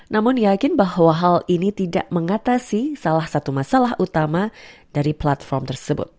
namun yakin bahwa hal ini tidak mengatasi salah satu masalah utama dari platform tersebut